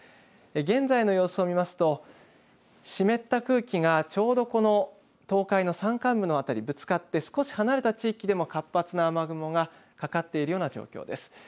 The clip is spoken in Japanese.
現在の様子を見ますと湿った空気がちょうどこの東海の山間部の辺りぶつかって少し離れた地域でも活発な雨雲がかかっているような状況です。